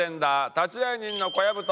立会人の小籔と。